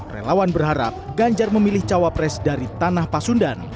relawan berharap ganjar memilih cawa pres dari tanah pasundan